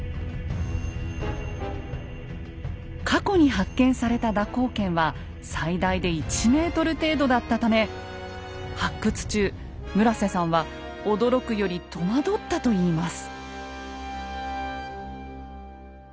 過去に発見された蛇行剣は最大で１ｍ程度だったため発掘中村さんは驚くより戸惑ったといいます。